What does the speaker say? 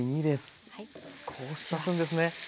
少し足すんですね。